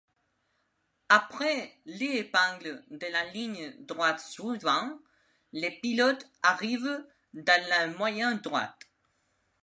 Après l'épingle et la ligne droite suivante, les pilotes arrivent dans le moyen droite.